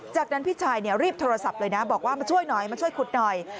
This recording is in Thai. จากนั้นพี่ชายรีบโทรศัพท์เลยนะบอกว่ามาช่วยหน่อยมาช่วยขุดหน่อย